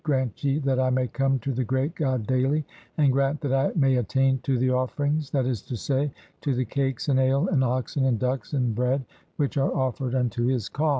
Grant ye that "I may come to the Great God daily, and grant that I may attain to the "offerings, that is to say, to the cakes, and ale, and oxen, and ducks, and "bread, which are offered unto his ka"